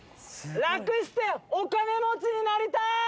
楽してお金持ちになりたい！